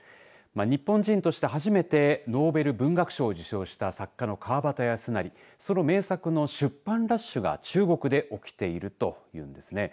日本人として初めてノーベル文学賞を受賞した作家の川端康成その名作の出版ラッシュが中国で起きているというんですね。